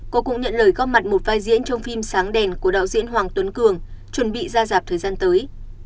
cô cũng nhận lời góp mặt một vai diễn trong phim sáng đèn của đạo diễn hoàng tuấn cường chuẩn bị ra dạp thời gian tới